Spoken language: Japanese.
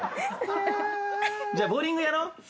じゃあボウリングやろう。